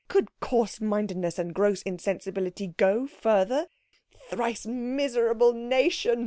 Could coarse mindedness and gross insensibility go further? "Thrice miserable nation!"